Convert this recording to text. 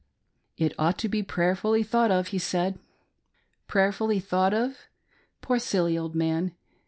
" It ought to be prayerfully thought of," he said. Prayerfully thought of ! Poor, silly old man